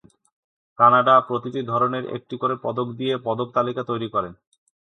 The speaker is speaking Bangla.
কানাডা প্রতিটি ধরনের একটি করে পদক দিয়ে পদক তালিকা তৈরি করে।